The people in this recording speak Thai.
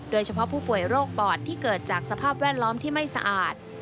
โดยเฉพาะผู้ป่วยโรคปอดที่เกิดจากสภาพแวดล้อมที่ไม่สะอาด